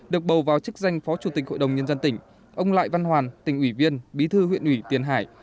được bầu vào chức danh phó chủ tịch hội đồng nhân dân tỉnh ông lại văn hoàn tỉnh ủy viên bí thư huyện ủy tiền hải